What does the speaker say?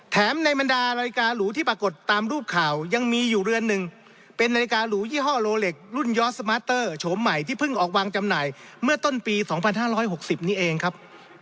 ในบรรดานาฬิกาหรูที่ปรากฏตามรูปข่าวยังมีอยู่เรือนหนึ่งเป็นนาฬิกาหรูยี่ห้อโลเล็กรุ่นยอสสมาร์เตอร์โฉมใหม่ที่เพิ่งออกวางจำหน่ายเมื่อต้นปี๒๕๖๐นี้เองครับ